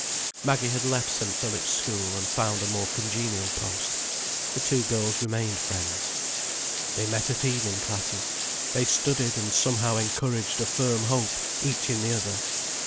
Maggie had left St. Philip's School, and had found a more congenial post. The two girls remained friends. They met at evening classes, they studied and somehow encouraged a firm hope each in the other.